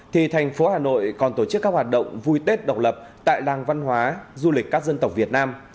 thì tp hcm còn tổ chức các hoạt động vui tết độc lập tại làng văn hóa du lịch các dân tộc việt nam